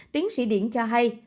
tiến sĩ điển cho hay